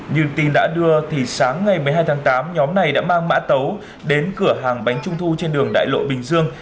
như tin đã đưa thì sáng ngày một mươi hai tháng tám nhóm này đã mang mã tấu đến cửa hàng bánh trung thu trên đường đại lộ bình dương